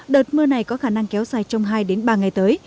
đợt mưa này có khả năng kéo dài trong hai ba ngày tới